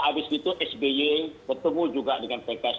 habis itu sby bertemu juga dengan pks